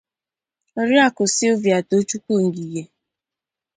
Oriakụ Sylvia Tochukwu-Ngige